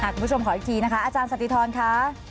คุณผู้ชมขออีกทีนะคะอาจารย์สติธรค่ะ